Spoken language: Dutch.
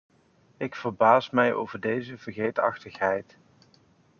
Ik verbaas mij over deze vergeetachtigheid.